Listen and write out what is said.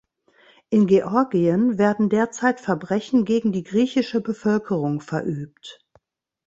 In Georgien werden derzeit Verbrechen gegen die griechische Bevölkerung verübt.